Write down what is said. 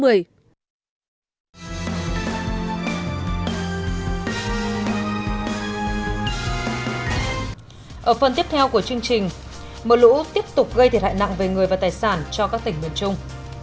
ở phần tiếp theo của chương trình mưa lũ tiếp tục gây thiệt hại nặng về người và tài sản cho các tỉnh miền trung